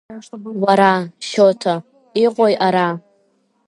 Уара, Шьоҭа, иҟои ара?